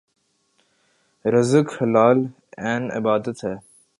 رزق حلال عین عبادت ہے